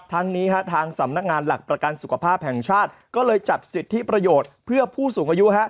ทั้งนี้ทางสำนักงานหลักประกันสุขภาพแห่งชาติก็เลยจัดสิทธิประโยชน์เพื่อผู้สูงอายุ